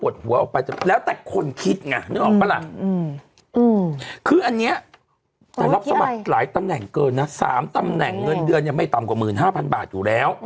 เช่นนี่รับสมัครทางตำแหน่งเกินนะสามตำแหน่งเงินเดือนอย่างไม่ตำกว่า๑๕๐๐๐บาทอยู่แล้ว